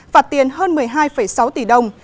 phạt tiền hơn một mươi hai sáu tỷ đồng